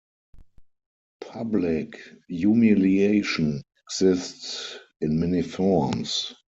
Public humiliation exists in many forms.